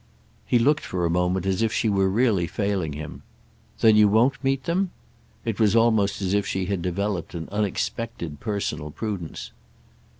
He looked for a moment as if she were really failing him. "Then you won't meet them?" It was almost as if she had developed an unexpected personal prudence.